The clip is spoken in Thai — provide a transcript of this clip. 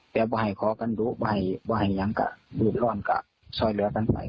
แต่ว่าให้ขอกันรู้ว่าให้ยังกะดูดร้อนกะช่วยเหลือกันไป